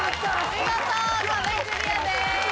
見事壁クリアです。